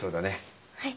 はい。